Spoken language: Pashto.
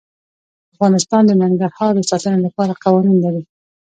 افغانستان د ننګرهار د ساتنې لپاره قوانین لري.